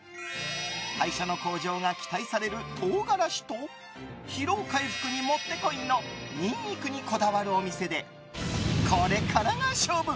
代謝の向上が期待される唐辛子と疲労回復にもってこいのニンニクにこだわるお店でこれからが勝負！